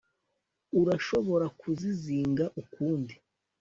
urashobora kuzizinga ukundi